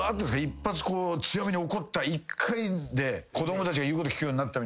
一発強めに怒った１回で子供たちが言うこと聞くようになった。